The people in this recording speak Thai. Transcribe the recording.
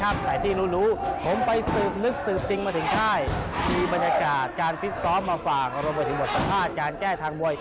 อ้าวไปติดตามนะครับ